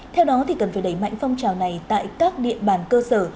theo đó thì cần phải đẩy mạnh phong trào này tại các địa bàn cơ sở